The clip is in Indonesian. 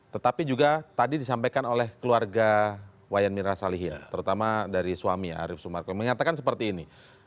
tetapi juga tadi disampaikan oleh keluarga wayan mirna salihin terutama dari suami arief sumarko mengatakan seperti ini